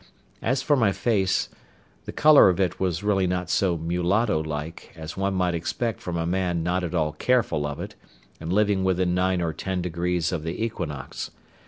As for my face, the colour of it was really not so mulatto like as one might expect from a man not at all careful of it, and living within nine or ten degrees of the equinox.